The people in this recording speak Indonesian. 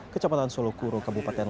kecamatan solokurung kabupaten